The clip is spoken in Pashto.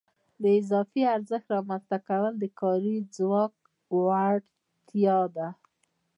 د اضافي ارزښت رامنځته کول د کاري ځواک وړتیا ده